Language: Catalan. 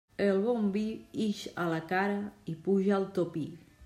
El bon vi ix a la cara i puja al topí.